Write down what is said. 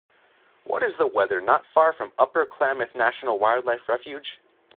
What is the weather not far from Upper Klamath National Wildlife Refuge?